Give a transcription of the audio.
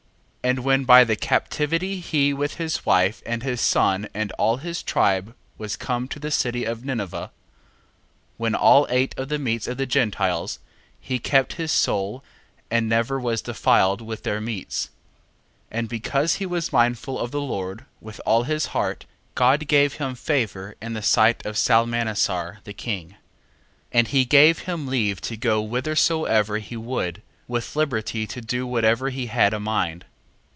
1:11. And when by the captivity he with his wife and his son and all his tribe was come to the city of Ninive, 1:12. (When all ate of the meats of the Gentiles) he kept his soul and never was defiled with their meats. 1:13. And because he was mindful of the Lord with all his heart, God gave him favour in the sight of Salmanasar the king. 1:14. And he gave him leave to go whithersoever he would, with liberty to do whatever he had a mind.